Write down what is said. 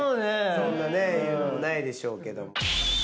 そんなねないでしょうけども。